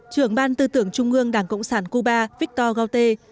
trưởng ban tư tưởng trung ương đảng cộng sản cuba victor gautier